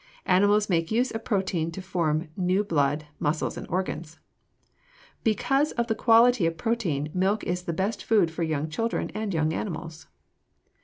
Animals make use of protein to form new blood, muscles, and organs. Because of the quality of protein, milk is the best food for children and young animals.